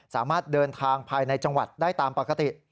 สามารถเดินทางภายในจังหวัดได้ตามปกติ